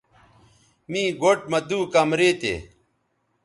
می گوٹھ مہ دُو کمرے تھے